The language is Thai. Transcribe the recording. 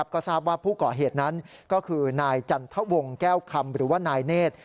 ก็ทราบว่าผู้ก่อเหตุนั้นก็คือนายจันทวงแก้วคำหรือว่านายเนธ